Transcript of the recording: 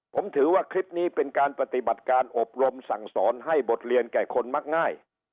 ผมถือว่าคลิปนี้เป็นการปฏิบัติการอบรมสั่งสอนให้บทเรียนแก่คนมักง่าย